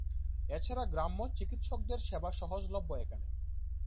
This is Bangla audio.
এছাড়া গ্রাম্য চিকিৎসকদের সেবা সহজ লভ্য এখানে।